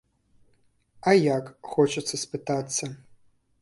А як, хочацца спытацца?